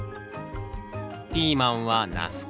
ピーマンはナス科。